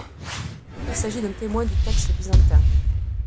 Il s'agit d'un témoin du texte byzantin.